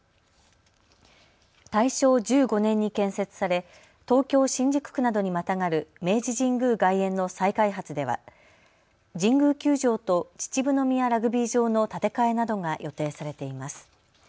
大正１５年に建設され東京新宿区などにまたがる明治神宮外苑の再開発では神宮球場と秩父宮ラグビー場の建て替えなどが予定されています。